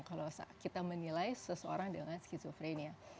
kalau kita menilai seseorang dengan skizofrenia